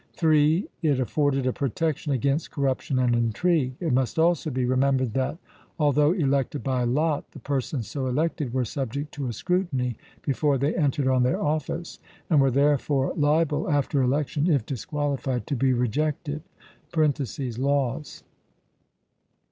(3) It afforded a protection against corruption and intrigue...It must also be remembered that, although elected by lot, the persons so elected were subject to a scrutiny before they entered on their office, and were therefore liable, after election, if disqualified, to be rejected (Laws).